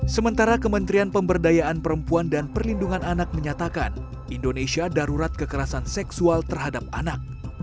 sementara kementerian pemberdayaan perempuan dan perlindungan anak menyatakan indonesia darurat kekerasan seksual terhadap anak